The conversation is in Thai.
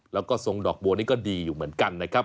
แล้วก็ทรงดอกบัวนี่ก็ดีอยู่เหมือนกันนะครับ